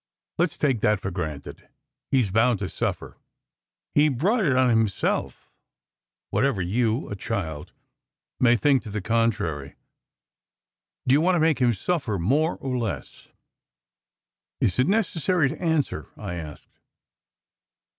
Let s take that for granted. He s bound to suffer. He brought it on himself, whatever you a child may think to the contrary. Do you want to make him suffer more or less?" "Is it necessary to answer?" I asked.